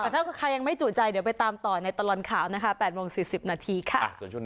แต่ถ้าใครยังไม่จุใจเดี๋ยวไปตามต่อในตลอดข่าวนะคะ๘โมง๔๐นาทีค่ะ